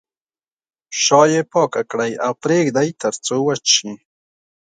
شا یې پاکه کړئ او پرېږدئ تر څو وچ شي.